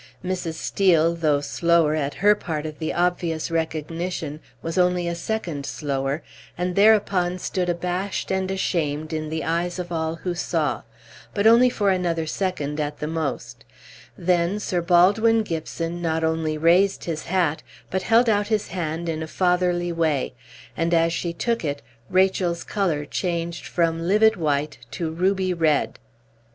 Mrs. Steel, though slower at her part of the obvious recognition, was only a second slower, and thereupon stood abashed and ashamed in the eyes of all who saw; but only for another second at the most; then Sir Baldwin Gibson not only raised his hat, but held out his hand in a fatherly way, and as she took it Rachel's color changed from livid white to ruby red.